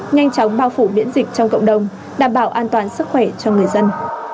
nhanh chóng bao phủ biễn dịch trong cộng đồng đảm bảo an toàn sức khỏe cho người dân